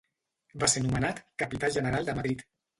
Va ser nomenat capità general de Madrid.